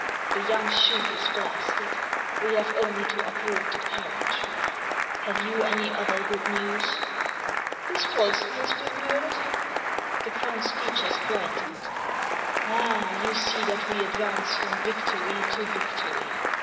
The young shoot is blasted. We have only to uproot the parent tree. Have you any other good news ?"" Dispolsen has been murdered." The count's features brightened. " Ah, you see that we advance from victory to victory.